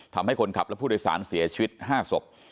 ทำให้คนขับและผู้โดยสารเสียชีวิต๕ศพ